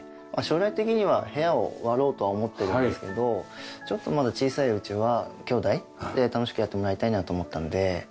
将来的には部屋を割ろうとは思ってるんですけどちょっとまだ小さいうちは姉弟で楽しくやってもらいたいなと思ったので。